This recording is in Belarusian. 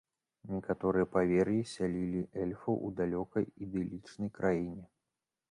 Некаторыя павер'і сялілі эльфаў у далёкай ідылічнай краіне.